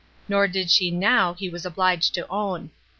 Nor did she now, he was obUged to own.